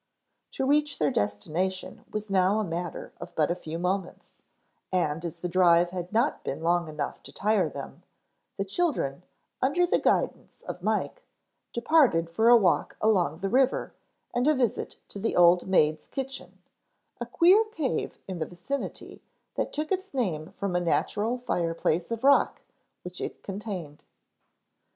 To reach their destination was now a matter of but a few moments, and as the drive had not been long enough to tire them, the children, under the guidance of Mike, departed for a walk along the river and a visit to the Old Maid's Kitchen, a queer cave in the vicinity that took its name from a natural fireplace of rock which it contained.